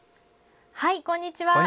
こんにちは。